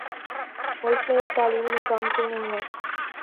ملک میں ایک تعلیمی نظام کیوں نہیں ہے؟